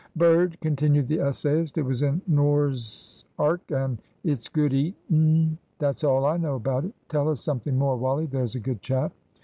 "`Bird,'" continued the essayist. "`It was in Nore's arck and is good eating' that's all I know about it. Tell us something more, Wally, there's a good chap."